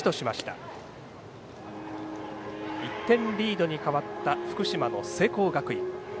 １点リードに変わった福島の聖光学院。